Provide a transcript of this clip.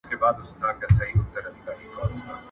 ښه ذهنیت کرکه نه زیاتوي.